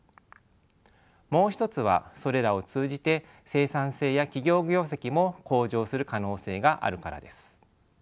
もう一つはそれらを通じて生産性や企業業績も向上する可能性があるからです。